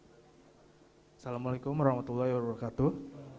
wassalamu'alaikum warahmatullahi wabarakatuh